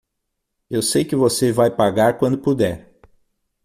Eu sei que você vai pagar quando puder.